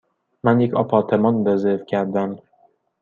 من یک آپارتمان رزرو کردم.